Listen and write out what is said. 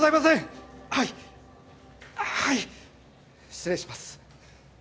失礼します。